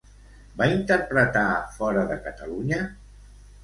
Va interpretar fora de Catalunya?